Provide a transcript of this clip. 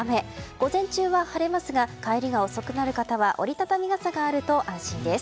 午前中は晴れますが帰りが遅くなる方は折り畳み傘があると安心です。